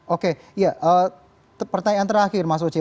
oke ya pertanyaan terakhir mas oce